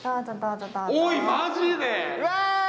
おい、マジで！？